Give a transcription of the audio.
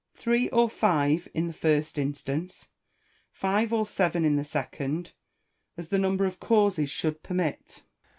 Tliree or five in the first instance ; five or seven in the second — as the number of causes should permit.